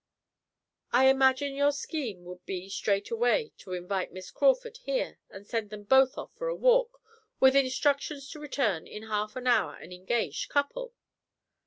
I imagine your scheme would be straightaway to invite Miss Crawford here, and send them both off for a walk, with instructions to return in half an hour an engaged couple?"